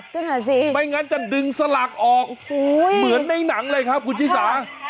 นั่นแหละสิไม่งั้นจะดึงสลักออกโอ้โหเหมือนในหนังเลยครับคุณชิสา